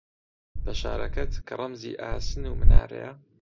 لە شارەکەت، کە ڕەمزی ئاسن و منارەیە